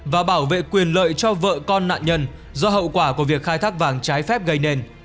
và bảo vệ quyền lợi cho vợ con nạn nhân do hậu quả của việc khai thác vàng trái phép gây nên